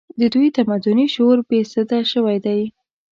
د دوی تمدني شعور بې سده شوی دی